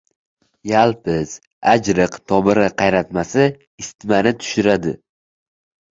Yalpiz, ajriq tomiri qaynatmasi isitmani tushiradi.